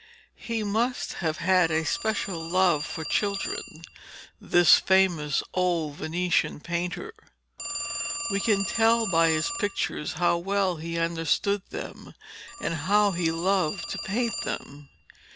He must have had a special love for children, this famous old Venetian painter. We can tell by his pictures how well he understood them and how he loved to paint them.